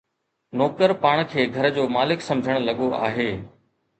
نوڪر پاڻ کي گهر جو مالڪ سمجهڻ لڳو آهي